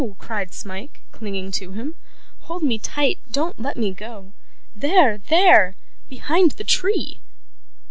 cried Smike, clinging to him. 'Hold me tight. Don't let me go. There, there. Behind the tree!